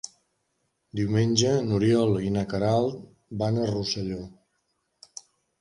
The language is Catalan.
Diumenge n'Oriol i na Queralt van a Rosselló.